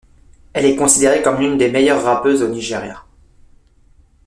Elle est considérée comme l' une des meilleures rappeuses au Nigeria.